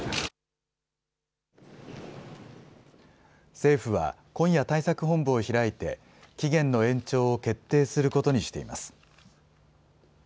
政府は、今夜、対策本部を開いて、期限の延長を決定することにしています。